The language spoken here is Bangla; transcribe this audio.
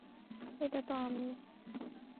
এটা তো আমি।